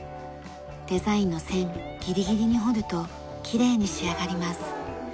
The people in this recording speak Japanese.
デザインの線ぎりぎりに彫るときれいに仕上がります。